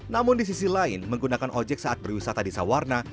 namun di sisi lain menggunakan ojek saat berwisata di sawarna